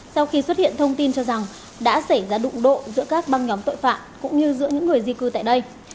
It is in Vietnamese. sau khi xuất hiện thông tin cho rằng đã xảy ra đụng độ giữa các băng nhóm tội phạm cũng như giữa những người di cư tại đây